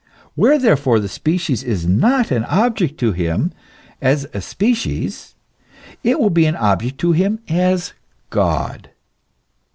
Where therefore the species is not an object to him as a species, it will be an object to him as God.